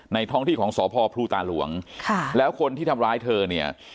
ท้องที่ของสพภูตาหลวงค่ะแล้วคนที่ทำร้ายเธอเนี่ย